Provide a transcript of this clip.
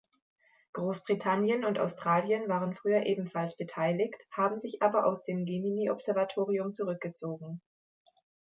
Großbritannien und Australien waren früher ebenfalls beteiligt, haben sich aber aus dem Gemini-Observatorium zurückgezogen.